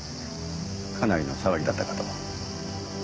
かなりの騒ぎだったかと。